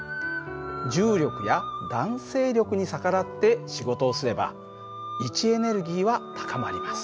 重力や弾性力に逆らって仕事をすれば位置エネルギーは高まります。